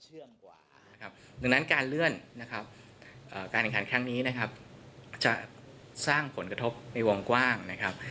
ดังนั้นการเลื่อนการแข่งขันครั้งนี้จะสร้างผลกระทบในวงกว้าง